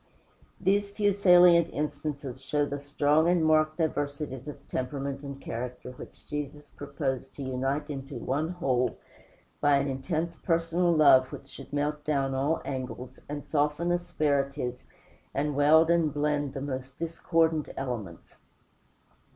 These few salient instances show the strong and marked diversities of temperament and character which Jesus proposed to unite into one whole, by an intense personal love which should melt down all angles, and soften asperities, and weld and blend the most discordant elements.